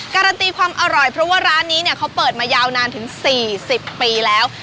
การันตีความอร่อยเพราะว่าร้านนี้เนี่ยเขาเปิดมายาวนานถึง๔๐ปีแล้ว